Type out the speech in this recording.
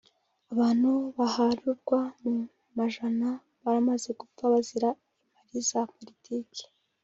abantu baharurwa mu majana baramaze gupfa bazira impari za politike